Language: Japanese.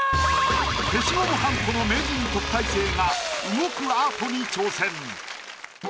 消しゴムはんこの名人特待生が動くアートに挑戦。